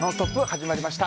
始まりました。